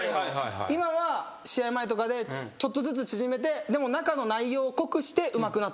今は試合前とかでちょっとずつ縮めてでも中の内容を濃くしてうまくなっていくっていう。